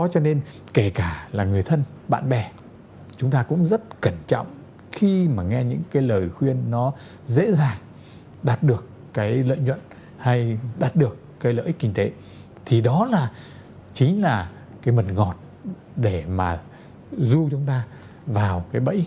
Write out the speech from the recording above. hẹn gặp lại các bạn trong những video tiếp theo